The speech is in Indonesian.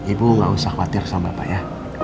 ibu nggak usah khawatir sama bapak ya